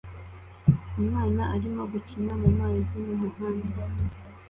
Umwana arimo gukina mumazi mumuhanda